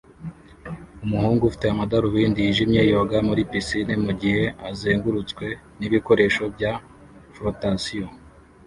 Umuhungu ufite amadarubindi yijimye yoga muri pisine mugihe azengurutswe nibikoresho bya flotation